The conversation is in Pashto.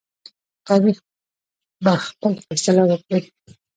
تاریخ به خپل فیصله وکړي.